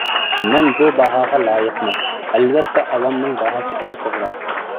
مەن بۇ باھاغا لايىقمۇ؟ ئەلۋەتتە ئاۋامنىڭ باھاسى ئەڭ توغرا.